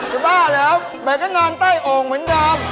อย่าบ้าเหรอแบบก็งานใต้องเหมือนเดิม